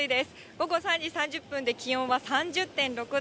午後３時３０分で気温は３０．６度。